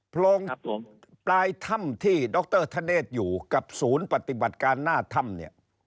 โรงปลายถ้ำที่ดรธเนธอยู่กับศูนย์ปฏิบัติการหน้าถ้ำเนี่ย